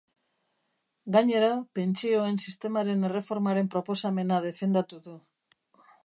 Gainera, pentsioen sistemaren erreformaren proposamena defendatu du.